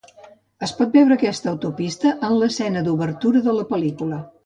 Es pot veure aquesta autopista en l'escena d'obertura de la pel·lícula.